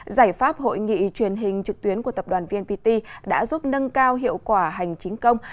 giải pháp hội nghị truyền hình trực tuyến của tập đoàn vnpt đã giúp nâng cao hiệu quả hành chính công